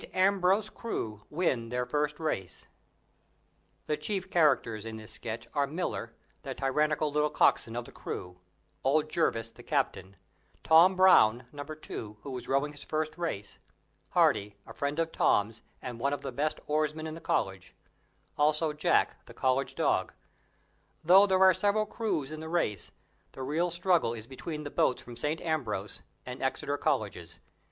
AMBROSE CREW WIN THEIR FIRST RACE (The chief characters in this sketch are Miller, the tyrannical little cockswain of the crew; old Jervis, the captain; Tom Brown, number two, who is rowing his first race; Hardy, a friend of Tom's and one of the best oarsmen in the college also Jack, the college dog. Though there are several crews in the race the real struggle is between the boats from St. Ambrose and Exeter Colleges.